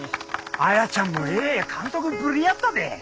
彩ちゃんもええ監督ぶりやったで。